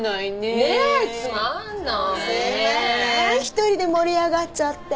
一人で盛り上がっちゃって。